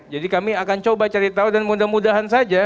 jadi kami akan coba cari tahu dan mudah mudahan saja